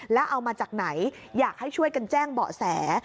แล้วเอามาจากไหนอยากให้ช่วยกันแจ้งเบาะแส